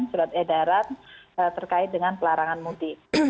surat edaran terkait dengan pelarangan mudik